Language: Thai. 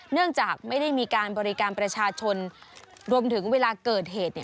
เนื่องจากไม่ได้มีการบริการประชาชนรวมถึงเวลาเกิดเหตุ